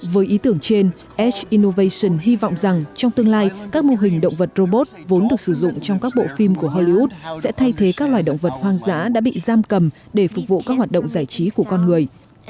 với ý tưởng trên edge innovation hy vọng rằng trong tương lai các mô hình động vật robot vốn được sử dụng trong các bộ phim của hollywood sẽ thay thế các loài động vật hoang dã đã bị giam cầm để phục vụ các hoạt động giải trí của con người